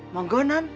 mau gak non